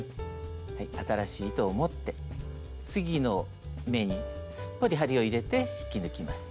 新しい糸を持って次の目にすっぽり針を入れて引き抜きます。